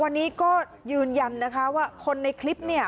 วันนี้ก็ยืนยันนะคะว่าคนในคลิปเนี่ย